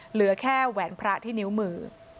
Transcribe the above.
เหลือแค่แหวนพระที่นิ้วมือ